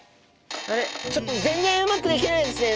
あれちょっと全然うまくできないですね！